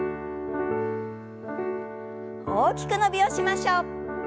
大きく伸びをしましょう。